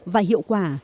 và hiệu quả